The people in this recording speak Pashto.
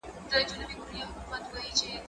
کېدای سي ليک اوږد وي!؟